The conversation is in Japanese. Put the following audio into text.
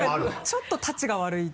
ちょっとたちが悪い。